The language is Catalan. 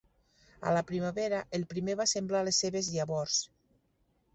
A la primavera, el primer va sembrar les seves llavors.